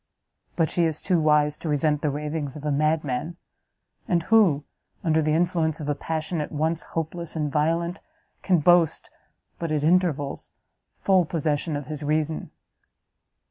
But she is too wise to resent the ravings of a madman; and who, under the influence of a passion at once hopeless and violent, can boast, but at intervals, full possession of his reason?"